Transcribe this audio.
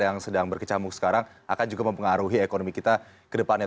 yang sedang berkecamuk sekarang akan juga mempengaruhi ekonomi kita ke depannya